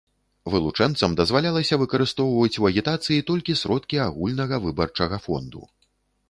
Вылучэнцам дазвалялася выкарыстоўваць у агітацыі толькі сродкі агульнага выбарчага фонду.